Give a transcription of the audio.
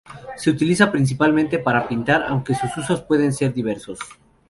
Se utiliza principalmente para pintar, aunque sus usos pueden ser diversos.